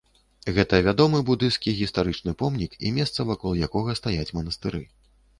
Гэта вядомы будысцкі гістарычны помнік і месца, вакол якога стаяць манастыры.